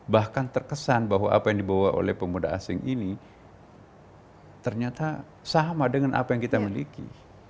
bahkan terkesan bahwa apa yang dibawa oleh pemuda asing ini ternyata sama dengan apa yang kita miliki